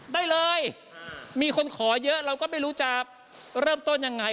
ได้เลยมีคนขอเยอะเราก็ไม่รู้จะเริ่มต้นยังไง